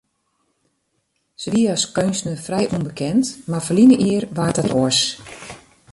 Sy wie as keunstner frij ûnbekend, mar ferline jier waard dat oars.